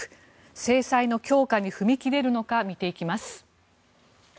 制裁の強化に踏み切れるのか見ていきます。